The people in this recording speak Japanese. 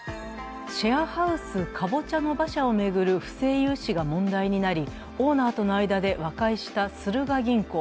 シェアハウスかぼちゃの馬車を巡る不正融資が問題となりオーナーとの間で和解したスルガ銀行。